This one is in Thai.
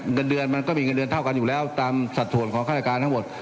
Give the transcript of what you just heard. เงินเดือนมันก็มีเงินเดือนเท่ากันอยู่แล้วตามสัดส่วนของฆาตการทั้งหมด